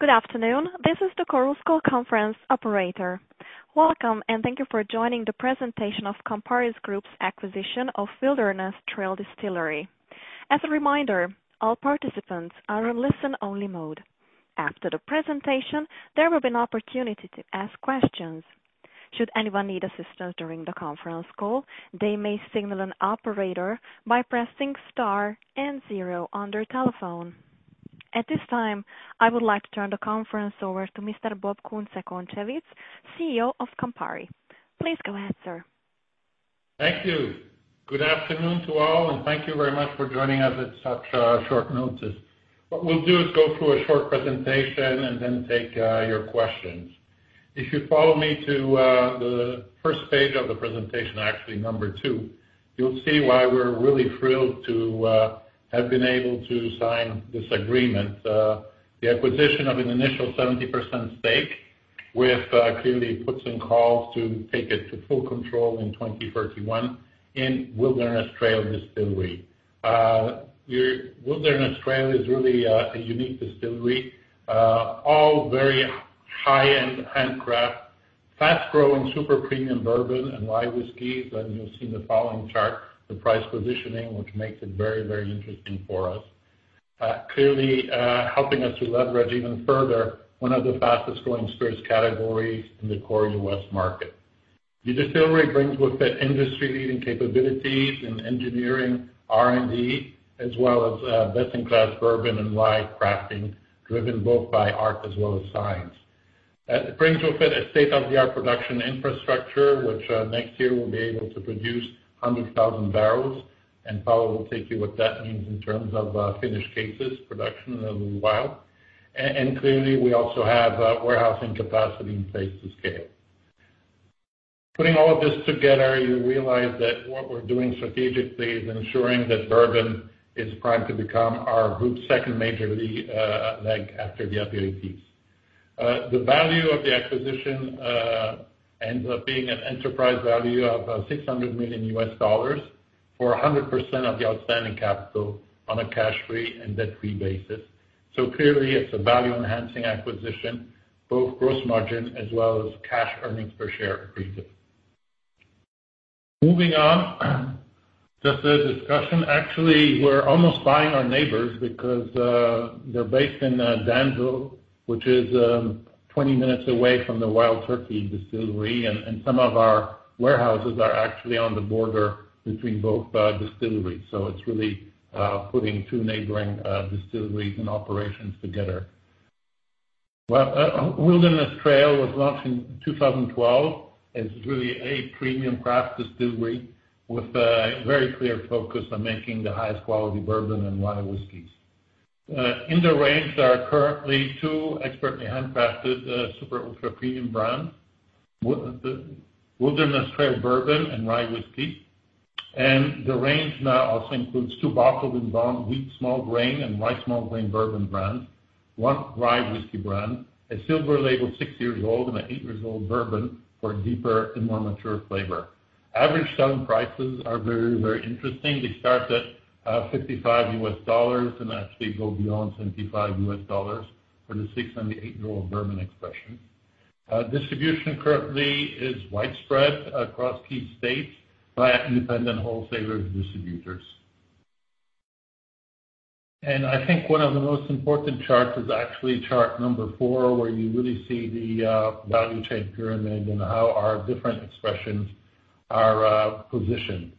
Good afternoon. This is the Chorus Call conference operator. Welcome, and thank you for joining the presentation of Campari Group's acquisition of Wilderness Trail Distillery. As a reminder, all participants are in listen-only mode. After the presentation, there will be an opportunity to ask questions. Should anyone need assistance during the conference call, they may signal an operator by pressing star and zero on their telephone. At this time, I would like to turn the conference over to Mr. Bob Kunze-Concewitz, CEO of Campari. Please go ahead, sir. Thank you. Good afternoon to all, and thank you very much for joining us at such short notice. What we'll do is go through a short presentation and then take your questions. If you follow me to the first page of the presentation, actually number two, you'll see why we're really thrilled to have been able to sign this agreement. The acquisition of an initial 70% stake with a clear put and call to take it to full control in 2031 in Wilderness Trail Distillery. Wilderness Trail is really a unique distillery. All very high-end handcraft, fast-growing, super-premium bourbon and rye whiskeys. You'll see in the following chart the price positioning, which makes it very, very interesting for us, clearly helping us to leverage even further one of the fastest-growing spirits categories in the core U.S. market. The distillery brings with it industry-leading capabilities in engineering, R&D, as well as best-in-class bourbon and rye crafting, driven both by art as well as science. It brings with it a state-of-the-art production infrastructure, which next year will be able to produce 100,000 barrels, and Paolo will take you through what that means in terms of finished cases production in a little while. Clearly, we also have warehousing capacity in place to scale. Putting all of this together, you realize that what we're doing strategically is ensuring that bourbon is primed to become our group's second major leg after the aperitifs. The value of the acquisition ends up being an enterprise value of $600 million for 100% of the outstanding capital on a cash-free and debt-free basis. Clearly, it's a value-enhancing acquisition, both gross margin as well as cash earnings per share accretive. Moving on to the discussion. Actually, we're almost buying our neighbors because they're based in Danville, which is 20 minutes away from the Wild Turkey Distillery, and some of our warehouses are actually on the border between both distilleries. It's really putting two neighboring distilleries and operations together. Well, Wilderness Trail was launched in 2012. It's really a premium craft distillery with a very clear focus on making the highest quality bourbon and rye whiskeys. In the range, there are currently two expertly handcrafted, super ultra-premium brands, the Wilderness Trail bourbon and Rye whiskey. The range now also includes two bottled-in-bond wheat, small grain, and rye small grain bourbon brands, one Rye whiskey brand, a silver label, six-years-old, and an eight-year-old bourbon for deeper and more mature flavor. Average selling prices are very, very interesting. They start at $55 and actually go beyond $75 for the six and eight-year-old bourbon expressions. Distribution currently is widespread across key states by independent wholesalers and distributors. I think one of the most important charts is actually chart number four, where you really see the value chain pyramid and how our different expressions are positioned.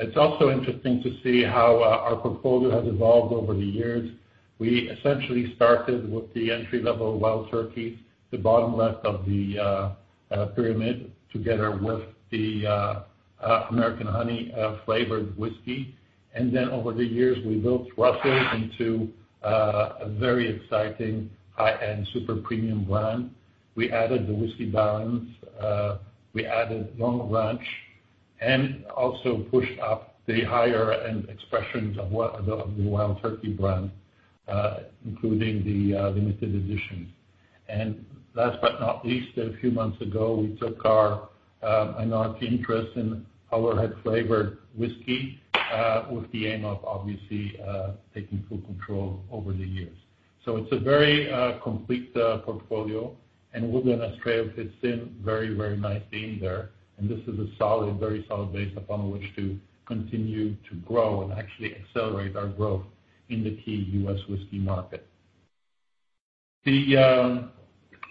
It's also interesting to see how our portfolio has evolved over the years. We essentially started with the entry-level Wild Turkey, the bottom left of the pyramid, together with the American Honey flavored whiskey. Then over the years, we built Russell into a very exciting high-end super-premium brand. We added the Whiskey Barons, we added Longbranch, and also pushed up the higher-end expressions of the Wild Turkey brand, including the limited editions. Last but not least, a few months ago, we took our minority interest in Howler Head flavored whiskey, with the aim of obviously taking full control over the years. It's a very complete portfolio, and Wilderness Trail fits in very, very nicely in there. This is a solid, very solid base upon which to continue to grow and actually accelerate our growth in the key U.S. whiskey market.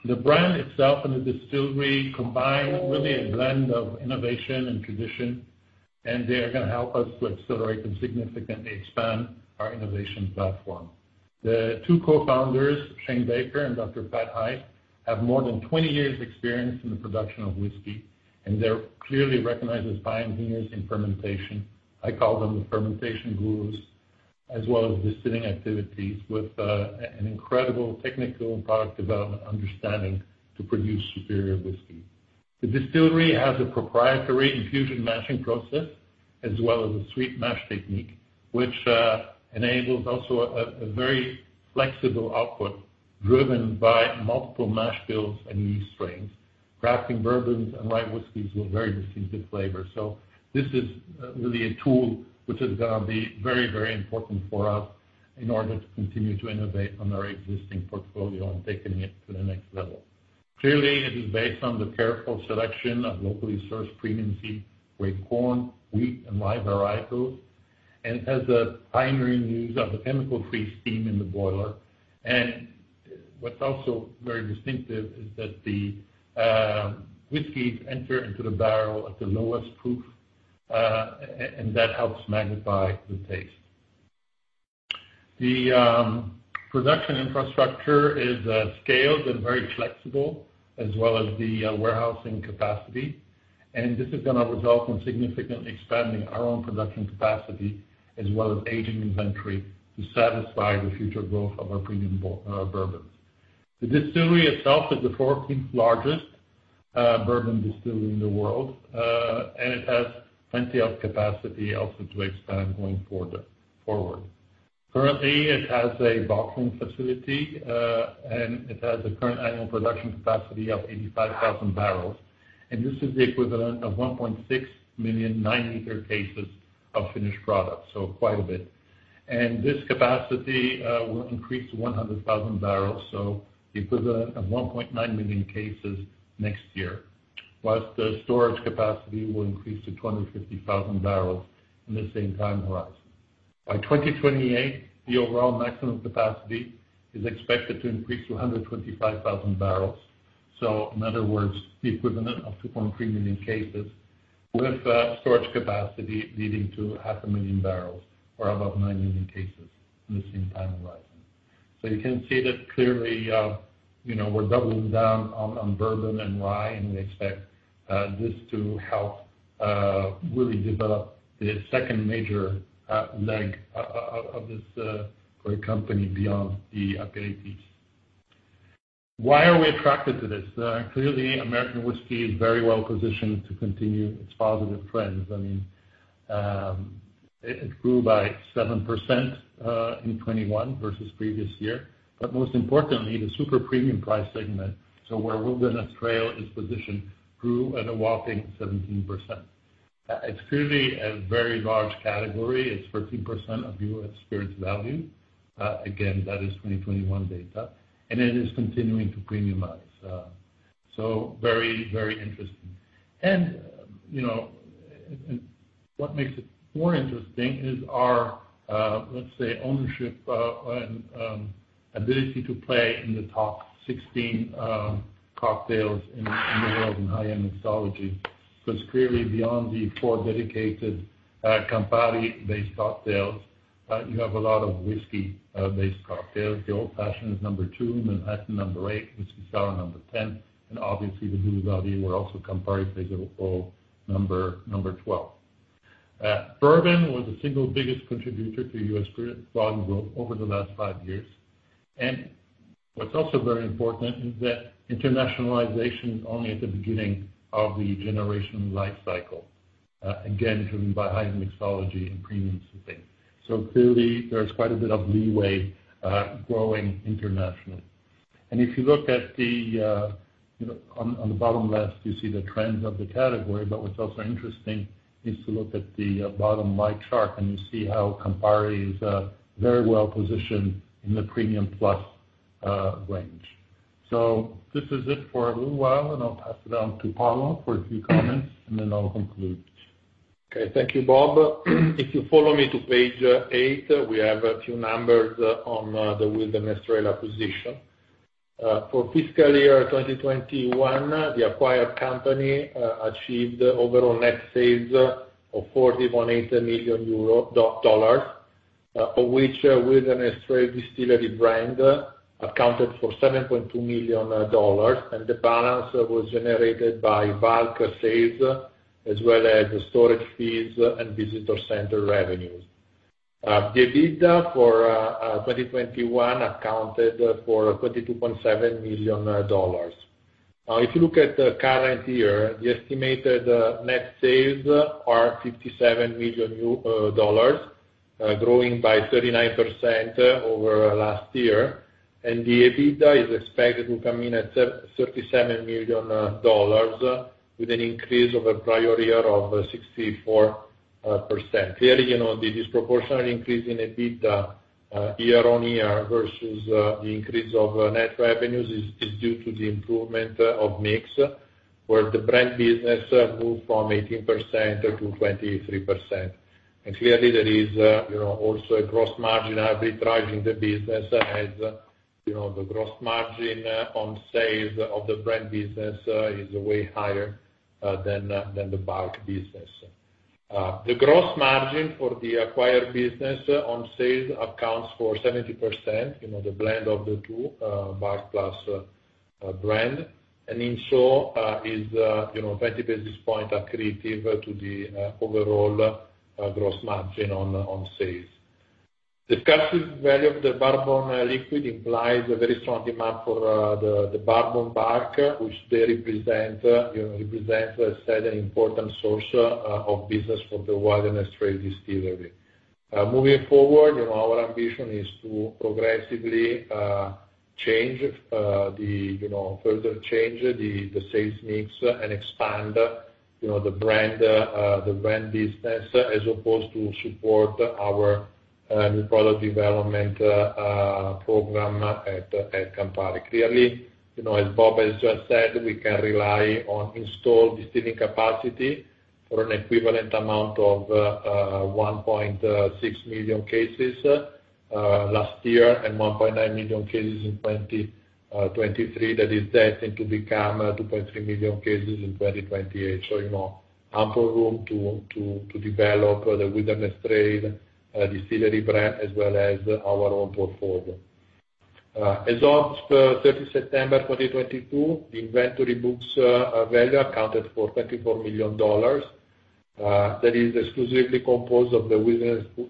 The brand itself and the distillery combine, really a blend of innovation and tradition, and they are gonna help us to accelerate and significantly expand our innovation platform. The two cofounders, Shane Baker and Dr. Pat Heist, have more than 20 years of experience in the production of whiskey, and they're clearly recognized as pioneers in fermentation. I call them the fermentation gurus, as well as distilling activities, with an incredible technical and product development understanding to produce superior whiskey. The distillery has a proprietary infusion mashing process as well as a sweet mash technique, which enables also a very flexible output driven by multiple mash bills and yeast strains. Crafting bourbons and rye whiskeys with very distinctive flavors. This is really a tool which is gonna be very, very important for us in order to continue to innovate on our existing portfolio and taking it to the next level. Clearly, it is based on the careful selection of locally sourced premium seed, grain corn, wheat, and rye varietals, and it has a pioneering use of a chemical-free steam in the boiler. What's also very distinctive is that the whiskeys enter into the barrel at the lowest proof, and that helps magnify the taste. The production infrastructure is scaled and very flexible, as well as the warehousing capacity, and this is gonna result in significantly expanding our own production capacity, as well as aging inventory to satisfy the future growth of our premium bourbons. The distillery itself is the 14th largest bourbon distillery in the world, and it has plenty of capacity also to expand going forward. Currently, it has a bottling facility, and it has a current annual production capacity of 85,000 bbl, and this is the equivalent of 1.6 million 9-L cases of finished product, so quite a bit. This capacity will increase to 100,000 bbl, so the equivalent of 1.9 million cases next year, while the storage capacity will increase to 250,000 bbl in the same time horizon. By 2028, the overall maximum capacity is expected to increase to 125,000 bbl, so in other words, the equivalent of 2.3 million cases, with storage capacity leading to 500,000 bbl or about 9 million cases in the same time horizon. You can see that clearly, you know, we're doubling down on bourbon and rye, and we expect this to help really develop the second major leg of this great company beyond the aperitifs. Why are we attracted to this? Clearly, American whiskey is very well-positioned to continue its positive trends. I mean, it grew by 7% in 2021 versus previous year. Most importantly, the super-premium price segment, so where Wilderness Trail is positioned, grew at a whopping 17%. It's clearly a very large category. It's 13% of U.S. spirits value, again, that is 2021 data, and it is continuing to premiumize. Very, very interesting. You know, what makes it more interesting is our, let's say, ownership, and ability to play in the top 16, cocktails in the world in high-end mixology. It's clearly beyond the four dedicated, Campari-based cocktails. You have a lot of whiskey-based cocktails. The Old Fashioned is number two, Manhattan number eight, Whiskey Sour number 10, and obviously the Negroni, where also Campari plays a role, number 12. Bourbon was the single biggest contributor to U.S. spirits volume growth over the last five years. What's also very important is that internationalization is only at the beginning of the generational life cycle, again, driven by heightened mixology and premium sipping. Clearly, there's quite a bit of leeway, growing internationally. If you look at the, you know, on the bottom left, you see the trends of the category, but what's also interesting is to look at the bottom right chart, and you see how Campari is, very well positioned in the premium plus range. This is it for a little while, and I'll pass it on to Paolo for a few comments, and then I'll conclude. Okay. Thank you, Bob. If you follow me to page eight, we have a few numbers on the Wilderness Trail acquisition. For fiscal year 2021, the acquired company achieved overall net sales of $41.8 million, of which Wilderness Trail Distillery brand accounted for $7.2 million, and the balance was generated by bulk sales as well as storage fees and visitor center revenues. The EBITDA for 2021 accounted for $22.7 million. Now, if you look at the current year, the estimated net sales are $57 million, growing by 39% over last year. The EBITDA is expected to come in at $37 million, with an increase over prior year of 64%. Clearly, you know, the disproportionate increase in EBITDA year-over-year versus the increase of net revenues is due to the improvement of mix, where the brand business moved from 18% to 23%. Clearly there is, you know, also a gross margin uplift driving the business as, you know, the gross margin on sales of the brand business is way higher than the bulk business. The gross margin for the acquired business on sales accounts for 70%, you know, the blend of the two, bulk plus brand, is 20 basis points accretive to the overall gross margin on sales. The scarcity value of the bourbon liquid implies a very strong demand for the bourbon bulk, which they represent, you know, as an important source of business for the Wilderness Trail Distillery. Moving forward, you know, our ambition is to progressively change, you know, further change the sales mix and expand, you know, the brand business as opposed to support our new product development program at Campari. Clearly, you know, as Bob has just said, we can rely on installed distilling capacity for an equivalent amount of 1.6 million cases last year and 1.9 million cases in 2023. That is destined to become 2.3 million cases in 2028. You know, ample room to develop the Wilderness Trail distillery brand, as well as our own portfolio. As of 3rd September 2022, the inventory book value accounted for $24 million, that is exclusively composed of the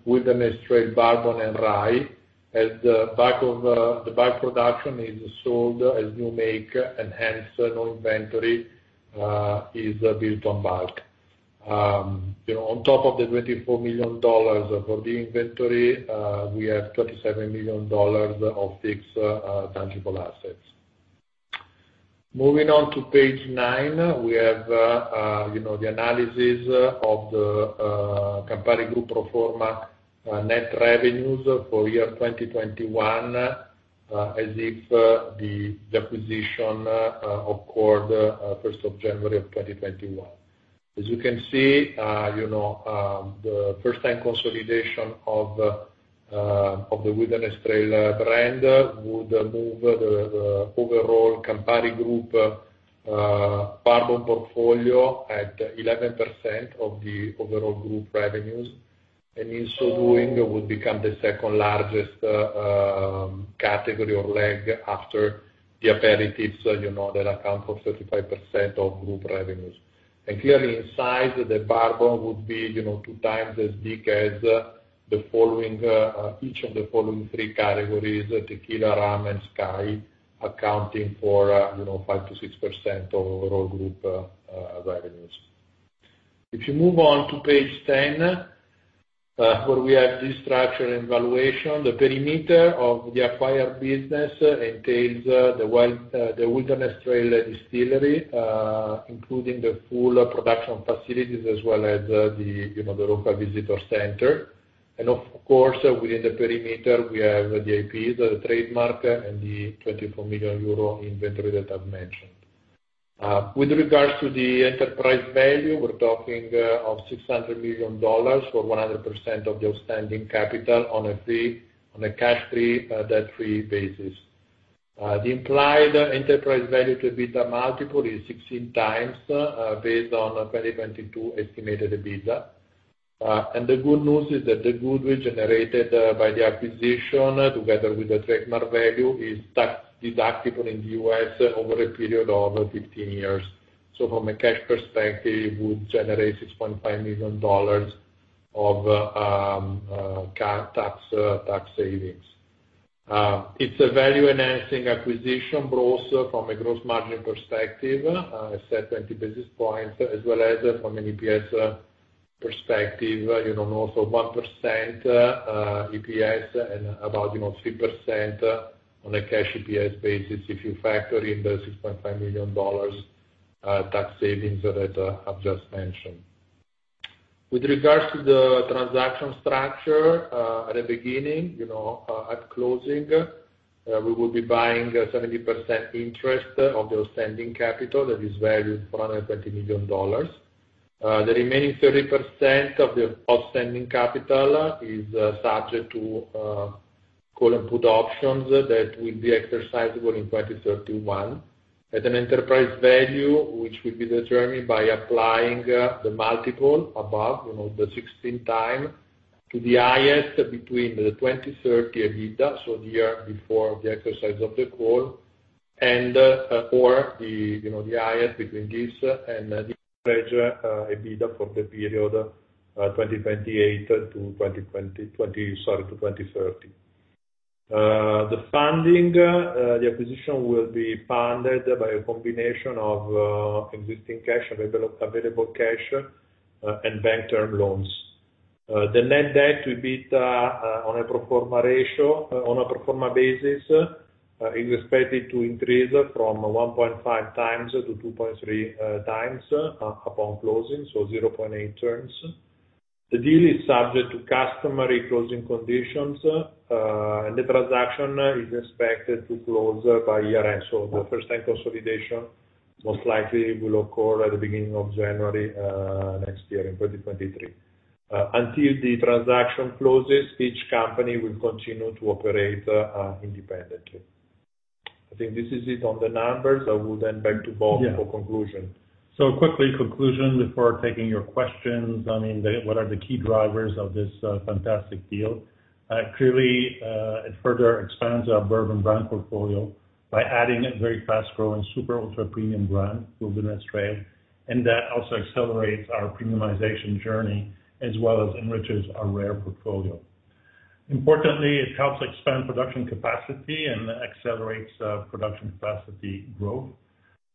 Wilderness Trail bourbon and rye, as the bulk production is sold as new make and hence no inventory is built on bulk. You know, on top of the $24 million for the inventory, we have $27 million of fixed tangible assets. Moving on to page nine, we have, you know, the analysis of the Campari Group pro forma net revenues for year 2021, as if the acquisition occurred 1st of January of 2021. As you can see, you know, the first time consolidation of the Wilderness Trail brand would move the overall Campari Group bourbon portfolio at 11% of the overall group revenues. In so doing, it would become the second-largest category or leg after the aperitifs, you know, that account for 35% of group revenues. Clearly in size, the bourbon would be, you know, two times as big as each of the following three categories, tequila, rum, and Skyy, accounting for, you know, 5%-6% of overall group revenues. If you move on to page 10, where we have structure and valuation, the perimeter of the acquired business entails the Wilderness Trail Distillery, including the full production facilities as well as the, you know, the local visitor center. Of course, within the perimeter we have the IP, the trademark, and the 24 million euro inventory that I've mentioned. With regards to the enterprise value, we're talking of $600 million, or 100% of the outstanding capital on a cash-free, debt-free basis. The implied enterprise value to EBITDA multiple is 16x, based on a 2022 estimated EBITDA. The good news is that the goodwill generated by the acquisition, together with the trademark value, is tax-deductible in the U.S. over a period of 15 years. From a cash perspective, it would generate $6.5 million of tax savings. It's a value-enhancing acquisition both from a gross margin perspective, say 20 basis points, as well as from an EPS perspective, you know, and also 1% EPS and about, you know, 3% on a cash EPS basis if you factor in the $6.5 million tax savings that I've just mentioned. With regards to the transaction structure, at the beginning, you know, at closing, we will be buying a 70% interest of the outstanding capital that is valued $420 million. The remaining 30% of the outstanding capital is subject to call and put options that will be exercisable in 2031 at an enterprise value, which will be determined by applying the multiple above, you know, the 16x, to the highest between the 2030 EBITDA, so the year before the exercise of the call, or, you know, the highest between this and the average EBITDA for the period 2028 to 2030. The funding of the acquisition will be funded by a combination of existing cash, available cash, and bank term loans. The net debt to EBITDA on a pro forma basis is expected to increase from 1.5x to 2.3x upon closing, so 0.8x. The deal is subject to customary closing conditions, and the transaction is expected to close by year-end. The first-time consolidation most likely will occur at the beginning of January next year in 2023. Until the transaction closes, each company will continue to operate independently. I think this is it on the numbers. I will hand back to Bob for conclusion. Yeah. Quickly, conclusion before taking your questions. I mean, what are the key drivers of this fantastic deal. Clearly, it further expands our bourbon brand portfolio by adding a very fast-growing super ultra premium brand, Wilderness Trail, and that also accelerates our premiumization journey as well as enriches our rare portfolio. Importantly, it helps expand production capacity and accelerates production capacity growth.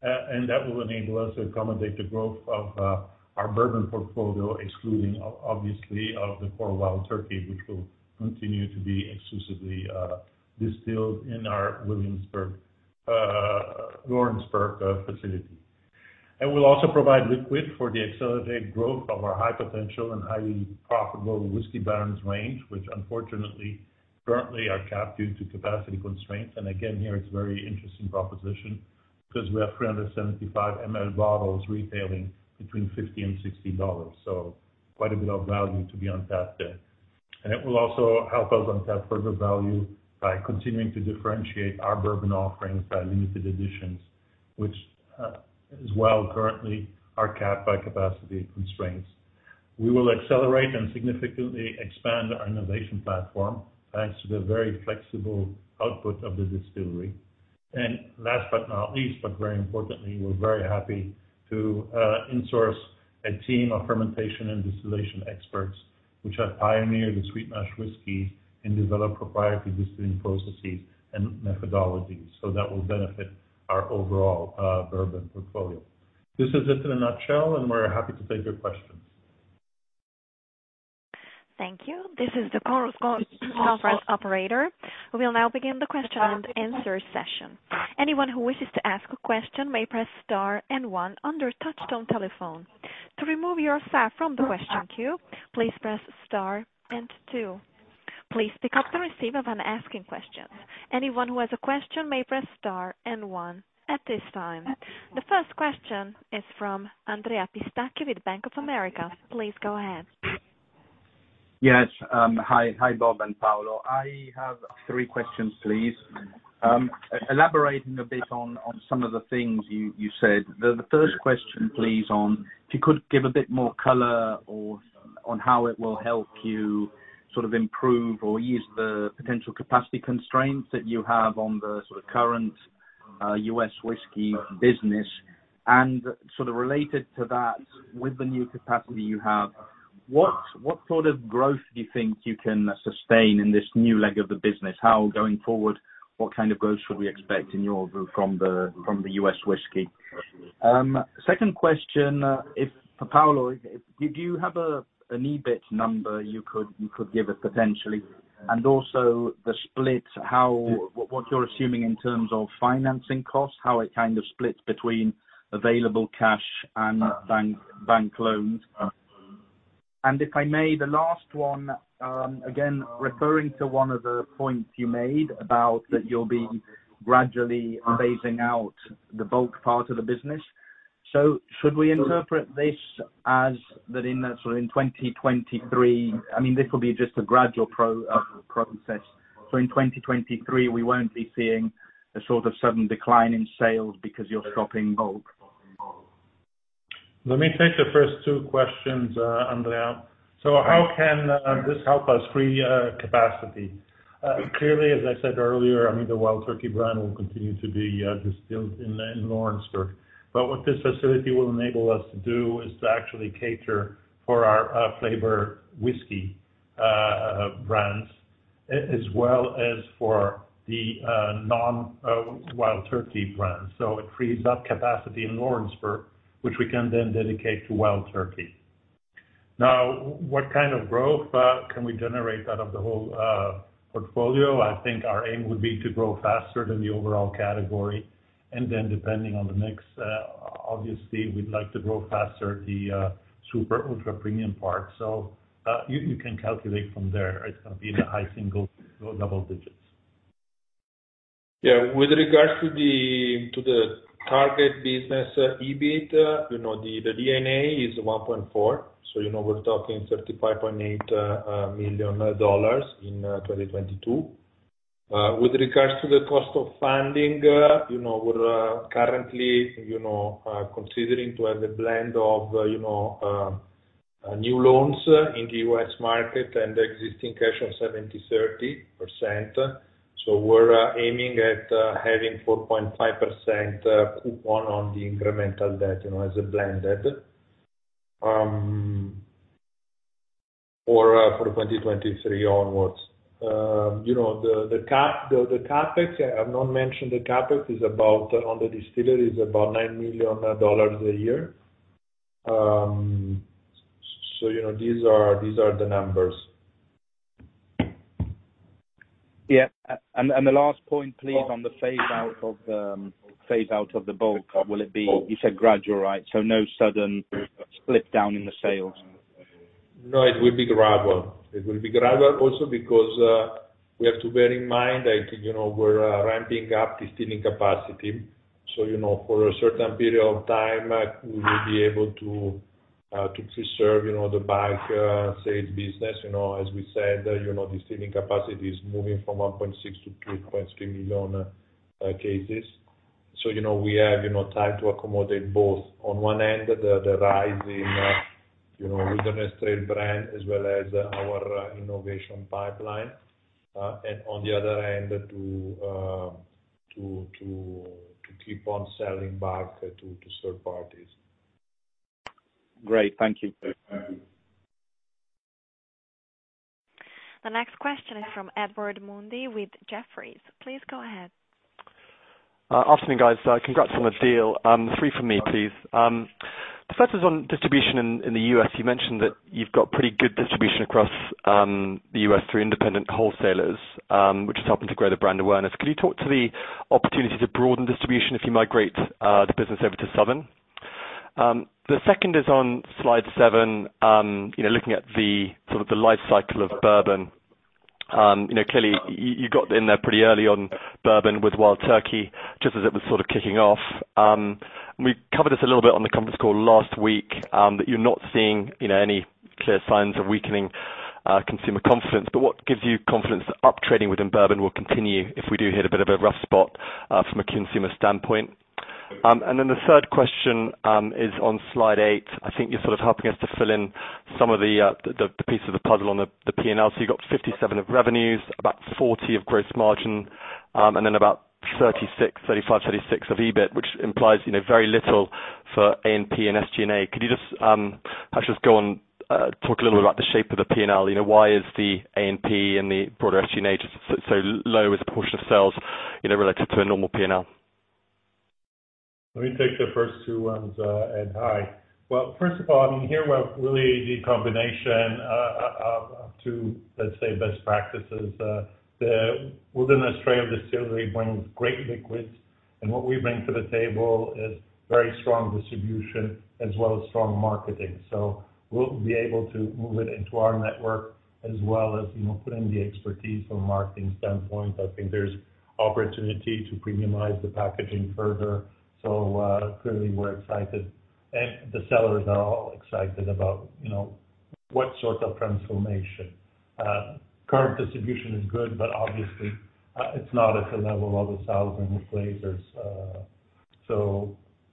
That will enable us to accommodate the growth of our bourbon portfolio, excluding obviously of the core Wild Turkey, which will continue to be exclusively distilled in our Lawrenceburg facility. We'll also provide liquid for the accelerated growth of our high-potential and highly profitable Whiskey Barons range, which unfortunately currently are capped due to capacity constraints. Again, here it's very interesting proposition because we have 375 ml bottles retailing between $50-$60, so quite a bit of value to be untapped there. It will also help us unpack further value by continuing to differentiate our bourbon offerings by limited editions, which, as well currently, are capped by capacity constraints. We will accelerate and significantly expand our innovation platform, thanks to the very flexible output of the distillery. Last but not least, but very importantly, we're very happy to insource a team of fermentation and distillation experts which have pioneered the sweet mash whiskey and developed proprietary distilling processes and methodologies. That will benefit our overall bourbon portfolio. This is it in a nutshell, and we're happy to take your questions. Thank you. This is the conference operator. We'll now begin the question-and-answer session. Anyone who wishes to ask a question may press star and one on their touchtone telephone. To remove yourself from the question queue, please press star and two. Please pick up the receiver when asking questions. Anyone who has a question may press star and one at this time. The first question is from Andrea Pistacchi with Bank of America. Please go ahead. Yes. Hi, Bob and Paolo. I have three questions please. Elaborating a bit on some of the things you said. The first question, please on if you could give a bit more color on how it will help you sort of improve or ease the potential capacity constraints that you have on the sort of current U.S. whiskey business. Sort of related to that, with the new capacity you have, what sort of growth do you think you can sustain in this new leg of the business? Going forward, what kind of growth should we expect in your view from the U.S. whiskey? Second question for Paolo, did you have an EBIT number you could give us potentially? Also, the split, how what you're assuming in terms of financing costs, how it kind of splits between available cash and bank loans. If I may, the last one, again referring to one of the points you made about that you'll be gradually phasing out the bulk part of the business. Should we interpret this as that in sort of 2023, I mean, this will be just a gradual process. In 2023, we won't be seeing a sort of sudden decline in sales because you're dropping bulk. Let me take the first two questions, Andrea. Thanks. How can this help us free capacity? Clearly, as I said earlier, I mean, the Wild Turkey brand will continue to be distilled in Lawrenceburg. But what this facility will enable us to do is to actually cater for our flavor whiskey brands, as well as for the non-Wild Turkey brands. It frees up capacity in Lawrenceburg, which we can then dedicate to Wild Turkey. Now, what kind of growth can we generate out of the whole portfolio? I think our aim would be to grow faster than the overall category. Then depending on the mix, obviously, we'd like to grow faster the super ultra premium part. You can calculate from there. It's gonna be in the high single digits or double-digits. Yeah. With regards to the target business EBIT, you know, the D&A is 1.4, so you know, we're talking $35.8 million in 2022. With regards to the cost of funding, you know, we're currently considering to have a blend of new loans in the U.S. market and existing cash of 70%-30%. We're aiming at having 4.5% coupon on the incremental debt, you know, as a blended for 2023 onwards. You know, the CapEx, I've not mentioned the CapEx is about, on the distillery, is about $9 million a year. So you know, these are the numbers. Yeah. The last point, please, on the phase out of the bulk, will it be? You said gradual, right? No sudden slip down in the sales? No, it will be gradual. It will be gradual also because we have to bear in mind that, you know, we're ramping up distilling capacity. You know, for a certain period of time, we will be able to serve, you know, the bulk sales business. You know, as we said, you know, distilling capacity is moving from 1.6 million-2.3 million cases. You know, we have, you know, time to accommodate both. On one end, the rise in, you know, Wilderness Trail brand as well as our innovation pipeline. On the other hand, to keep on selling back to third parties. Great. Thank you. The next question is from Edward Mundy with Jefferies. Please go ahead. Afternoon, guys. Congrats on the deal. Three from me, please. The first is on distribution in the U.S. You mentioned that you've got pretty good distribution across the U.S. through independent wholesalers, which is helping to grow the brand awareness. Could you talk to the opportunity to broaden distribution if you migrate the business over to Southern Glazer's? The second is on slide seven, you know, looking at the life cycle of bourbon. You know, clearly you got in there pretty early on bourbon with Wild Turkey, just as it was sort of kicking off. We covered this a little bit on the conference call last week that you're not seeing, you know, any clear signs of weakening consumer confidence. What gives you confidence that up-trading within bourbon will continue if we do hit a bit of a rough spot from a consumer standpoint? The third question is on slide eight. I think you're sort of helping us to fill in some of the pieces of the puzzle on the P&L. You've got 57% of revenues, about 40% of gross margin, and then about 35%-36% of EBIT, which implies, you know, very little for A&P and SG&A. Could you just perhaps just go on, talk a little bit about the shape of the P&L? You know, why is the A&P and the broader SG&A just so low as a portion of sales, you know, related to a normal P&L? Let me take the first two ones, Ed, hi. Well, first of all, I mean, here we have really the combination of two, let's say, best practices. The Wilderness Trail Distillery brings great liquids, and what we bring to the table is very strong distribution as well as strong marketing. We'll be able to move it into our network as well as, you know, put in the expertise from a marketing standpoint. I think there's opportunity to premiumize the packaging further. Clearly we're excited, and the sellers are all excited about, you know, what sort of transformation. Current distribution is good, but obviously, it's not at the level of a Southern Glazer's.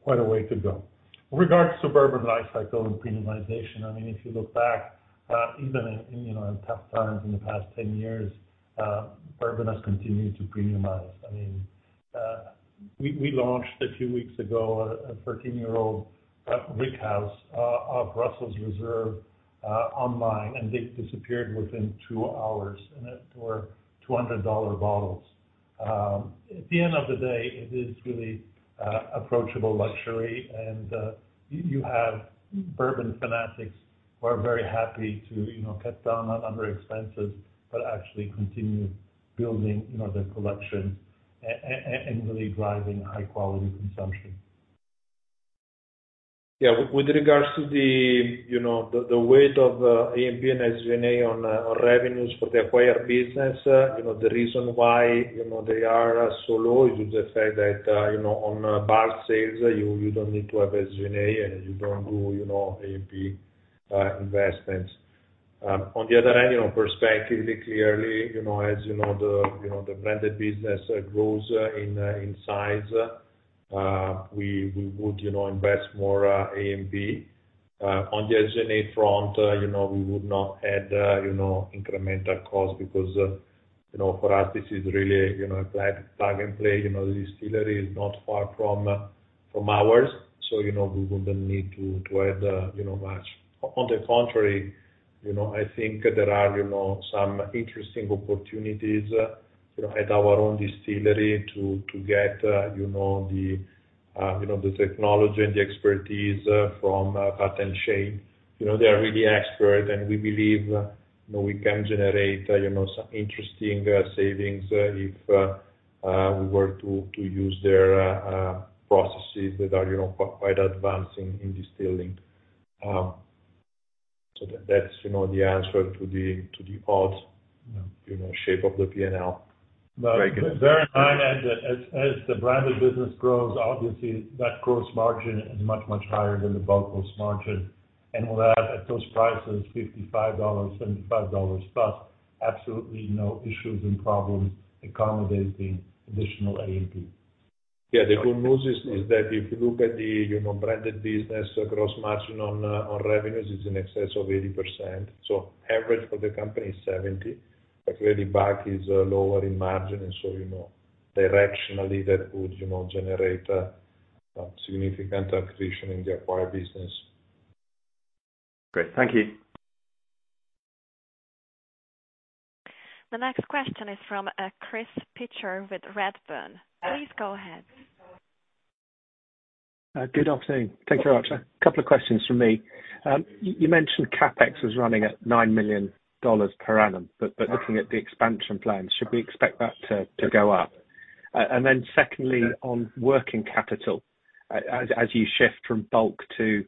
Quite a way to go. With regards to bourbon life cycle and premiumization, I mean, if you look back, even in, you know, in tough times in the past 10 years, bourbon has continued to premiumize. I mean, we launched a few weeks ago a 13-year-old Single Rickhouse of Russell's Reserve online, and they disappeared within two hours, and it were $200 bottles. At the end of the day, it is really approachable luxury, and you have bourbon fanatics who are very happy to, you know, cut down on other expenses, but actually continue building, you know, their collections and really driving high quality consumption. Yeah. With regards to the weight of A&P and SG&A on revenues for the acquired business, you know, the reason why they are so low is the fact that on bar sales, you don't need to have SG&A, and you don't do A&P investments. On the other hand, prospectively, clearly, you know, as you know the branded business grows in size, we would invest more A&P. On the SG&A front, you know, we would not add incremental costs because for us, this is really a plug and play. You know, the distillery is not far from ours. You know, we wouldn't need to add, you know, much. On the contrary, you know, I think there are, you know, some interesting opportunities, you know, at our own distillery to get, you know, the technology and the expertise from Pat and Shane. You know, they are really expert, and we believe, you know, we can generate, you know, some interesting savings if we were to use their processes that are, you know, quite advanced in distilling. That's, you know, the answer to the odd shape of the P&L. Very good. Bear in mind as the branded business grows, obviously that gross margin is much, much higher than the bulk gross margin. We'll add at those prices, $55, $75+, absolutely no issues and problems accommodating additional A&P. Yeah. The good news is that if you look at the, you know, branded business gross margin on revenues is in excess of 80%. Average for the company is 70%, but clearly bulk is lower in margin. You know, directionally, that would generate significant accretion in the acquired business. Great. Thank you. The next question is from Chris Pitcher with Redburn. Please go ahead. Good afternoon. Thank you very much. A couple of questions from me. You mentioned CapEx was running at $9 million per annum, but looking at the expansion plans, should we expect that to go up? Then secondly, on working capital, as you shift from bulk to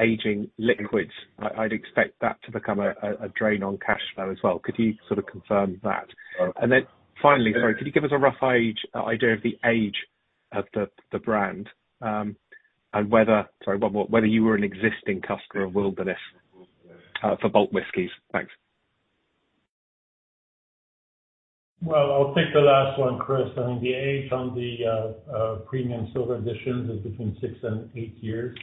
aging liquids, I'd expect that to become a drain on cash flow as well. Could you sort of confirm that? Finally, sorry, could you give us a rough age idea of the age of the brand? Sorry, one more, whether you were an existing customer of Wilderness for bulk whiskeys? Thanks. Well, I'll take the last one, Chris. I mean, the age on the premium silver editions is between six and eight years.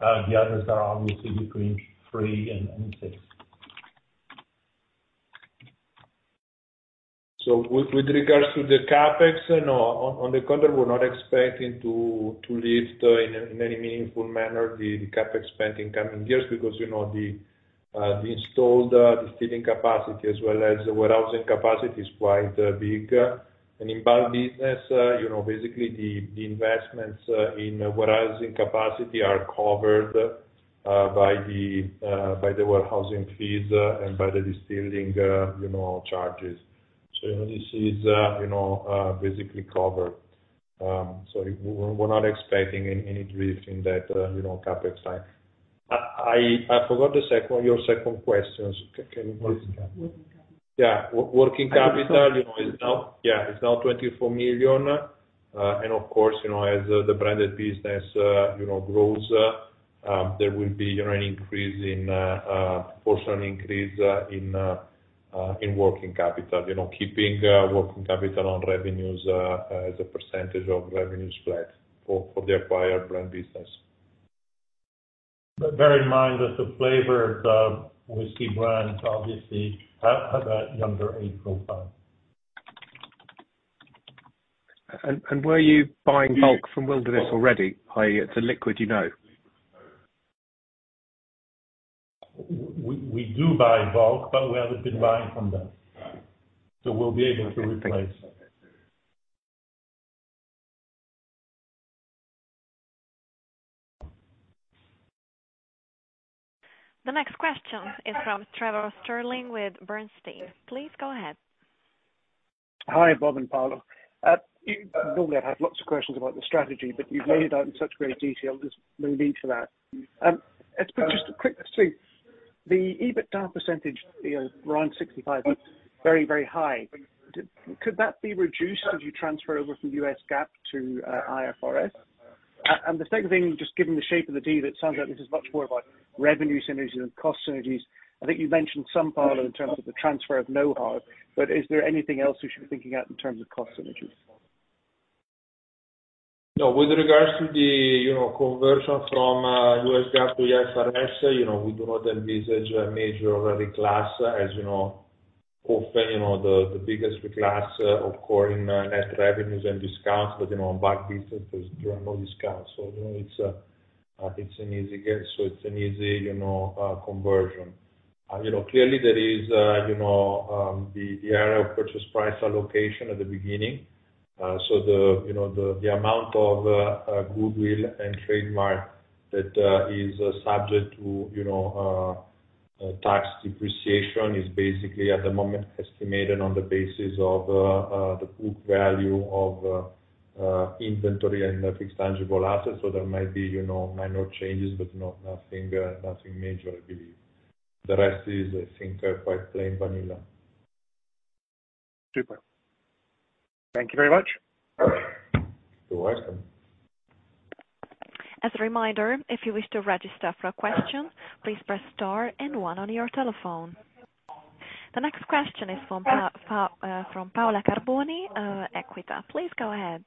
The others are obviously between three and six. With regards to the CapEx, you know, on the contrary, we're not expecting to lift in any meaningful manner the CapEx spend in the coming years because, you know, the installed distilling capacity as well as the warehousing capacity is quite big. In bulk business, you know, basically the investments in warehousing capacity are covered by the warehousing fees and by the distilling charges. You know, this is basically covered. We're not expecting any drift in that CapEx line. I forgot the second. Your second question. Can you please- Working capital. Yeah. Working capital, you know, is now $24 million. Of course, you know, as the branded business, you know, grows, there will be, you know, an increase in working capital. You know, keeping working capital on revenues as a percentage of revenues flat for the acquired brand business. Bear in mind that the flavored whiskey brands obviously have a younger age profile. Were you buying bulk from Wild Turkey already? I.e., it's a liquid you know. We do buy bulk, but we haven't been buying from them, so we'll be able to replace. The next question is from Trevor Stirling with Bernstein. Please go ahead. Hi, Bob and Paolo. Normally, I'd have lots of questions about the strategy, but you've laid it out in such great detail, just no need for that. Just a quick two. The EBITDA percentage, you know, around 65%, looks very, very high. Could that be reduced as you transfer over from U.S. GAAP to IFRS? The second thing, just given the shape of the deal, it sounds like this is much more about revenue synergies than cost synergies. I think you've mentioned some, Paolo, in terms of the transfer of know-how, but is there anything else we should be thinking about in terms of cost synergies? No, with regards to the conversion from U.S. GAAP to IFRS, you know, we do not envisage a major reclass. As you know, often, you know, the biggest reclass occurs in net revenues and discounts, but, you know, in bulk business, there's, you know, no discounts, so, you know, it's an easy gain. It's an easy, you know, conversion. You know, clearly there is, you know, the area of purchase price allocation at the beginning. The, you know, the amount of goodwill and trademark that is subject to, you know, tax depreciation is basically at the moment estimated on the basis of the book value of inventory and the fixed tangible assets. There might be, you know, minor changes, but nothing major, I believe. The rest is, I think, quite plain vanilla. Super. Thank you very much. You're welcome. As a reminder, if you wish to register for a question, please press star and one on your telephone. The next question is from Paola Carboni, Equita. Please go ahead.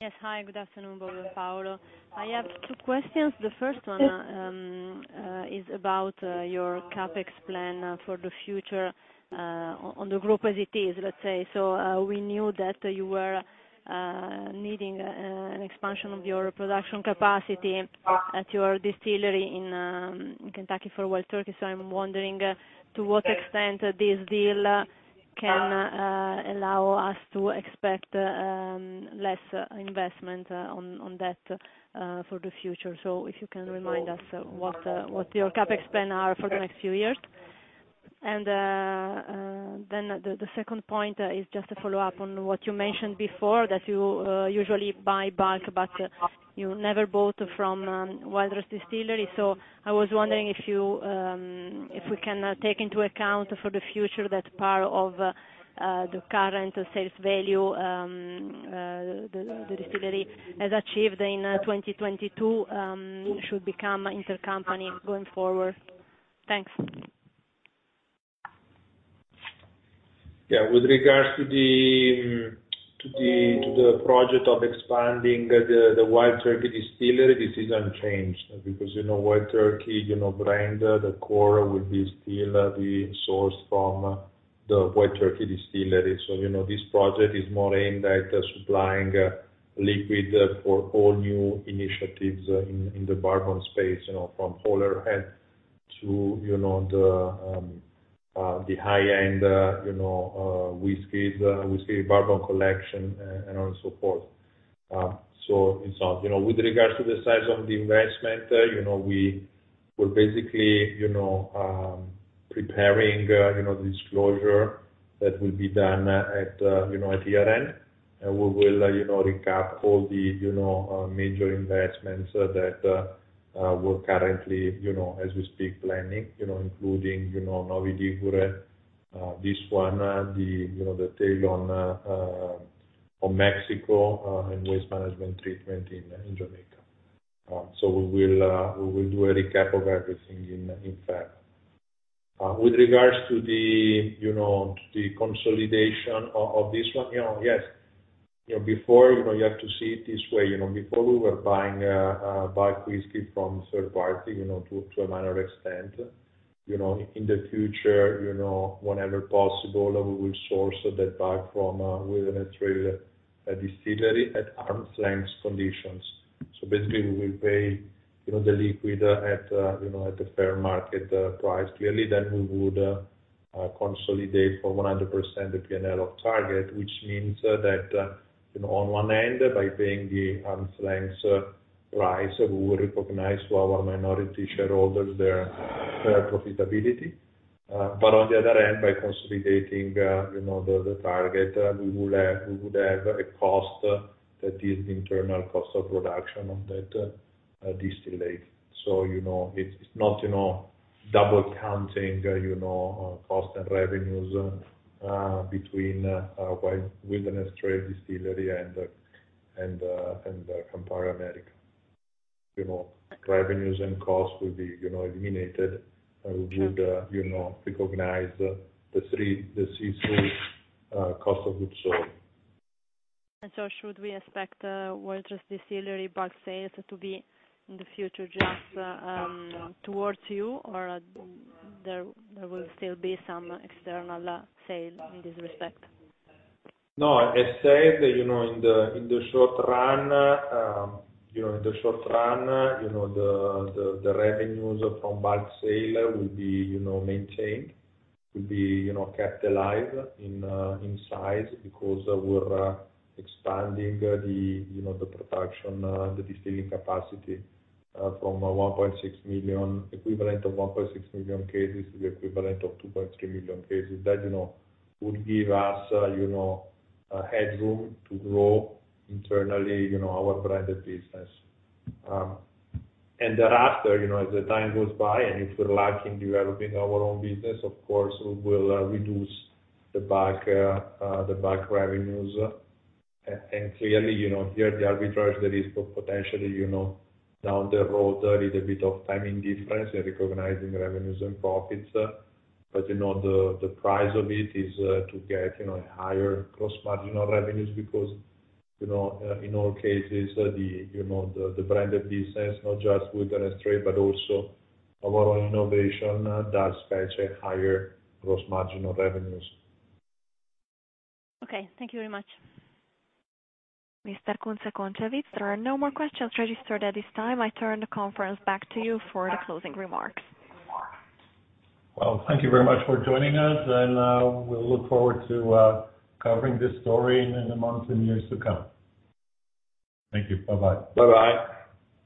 Yes. Hi. Good afternoon, Bob and Paolo. I have two questions. The first one is about your CapEx plan for the future on the group as it is, let's say. We knew that you were needing an expansion of your production capacity at your distillery in Kentucky for Wild Turkey. I'm wondering to what extent this deal can allow us to expect less investment on that for the future. If you can remind us what your CapEx plan are for the next few years. The second point is just a follow-up on what you mentioned before, that you usually buy bulk, but you never bought from Wild Turkey Distillery. I was wondering if we can take into account for the future that part of the current sales value the distillery has achieved in 2022 should become intercompany going forward. Thanks. Yeah. With regards to the project of expanding the Wild Turkey distillery, this is unchanged because, you know, Wild Turkey, you know, brand, the core will still be sourced from the Wild Turkey distillery. This project is more aimed at supplying liquid for all new initiatives in the bourbon space, you know, from Polar Head to the high-end Whiskey Barons and so forth. It's, you know, with regards to the size of the investment, you know, we're basically preparing a disclosure that will be done at year-end. We will, you know, recap all the, you know, major investments that, we're currently, you know, as we speak, planning, you know, including, you know, Novi Ligure, this one, the, you know, the takeover in Mexico, and waste management treatment in Jamaica. We will do a recap of everything in fact. With regards to the, you know, to the consolidation of this one, you know, yes. You know, before, you know, you have to see it this way, you know, before we were buying, bulk whiskey from third party, you know, to a minor extent, you know, in the future, you know, whenever possible, we will source that back from Wilderness Trail Distillery at arm's length conditions. Basically, we will pay, you know, the liquid at the fair market price. Clearly, we would consolidate for 100% the P&L of target, which means that, you know, on one end by paying the arm's length price, we will recognize to our minority shareholders their profitability. But on the other end by consolidating the target, we would have a cost that is the internal cost of production of that distillate. It's not double counting cost and revenues between Wilderness Trail Distillery and Campari America. You know, revenues and costs will be eliminated. We would recognize the true-up cost of goods sold. Should we expect Wilderness Trail Distillery bulk sales to be in the future, just towards you or there will still be some external sale in this respect? No, as said, you know, in the short run, you know, the revenues from bulk sale will be, you know, maintained, will be, you know, kept alive in size because we're expanding the production, the distilling capacity from the equivalent of 1.6 million cases to the equivalent of 2.3 million cases. That, you know, would give us, you know, headroom to grow internally, you know, our branded business. Thereafter, you know, as the time goes by, and if we're lacking in our own business, of course, we will reduce the bulk revenues. Clearly, you know, here the arbitrage there is potentially, you know, down the road a little bit of timing difference in recognizing revenues and profits. You know, the price of it is to get higher gross margin on revenues because, you know, in all cases, the brand of business, not just Wilderness Trail, but also our own innovation, does capture higher gross margin on revenues. Okay, thank you very much. Mr. Kunze-Concewitz, there are no more questions registered at this time. I turn the conference back to you for the closing remarks. Well, thank you very much for joining us, and we look forward to covering this story in the months and years to come. Thank you. Bye-bye. Bye-bye.